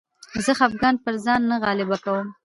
زه خپګان پر ځان نه غالبه کوم.